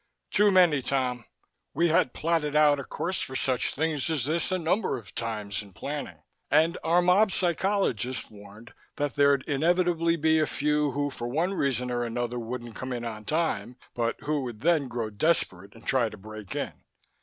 "Too many, Tom. We had plotted out a course for such things as this a number of times in Planning. And our mob psychologists warned that there'd inevitably be a few who for one reason or another wouldn't come in in time, but who would then grow desperate and try to break in.